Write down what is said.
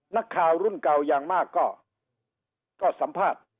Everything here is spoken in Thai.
นักข่าวรุ่นเก่าอย่างมากก็สัมภาษณ์